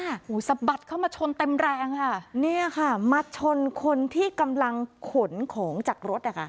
โอ้โหสะบัดเข้ามาชนเต็มแรงค่ะเนี่ยค่ะมาชนคนที่กำลังขนของจากรถนะคะ